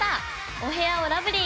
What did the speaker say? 「お部屋をラブリーに！